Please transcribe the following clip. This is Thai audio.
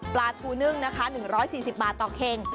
ปลาทูนึ่งนะคะ๑๔๐บาทต่อเค็ง